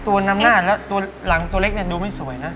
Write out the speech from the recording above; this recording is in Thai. ตัวน้ำหน้าแล้วตัวหลังตัวเล็กเนี่ยดูไม่สวยนะ